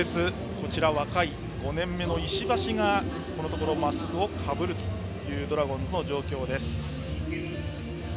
こちら、若い５年目の石橋がこのところマスクをかぶるドラゴンズの状況です。